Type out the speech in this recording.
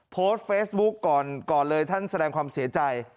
โพสต์เฟซบุ๊กก่อนเลยท่านแสดงความเสียใจ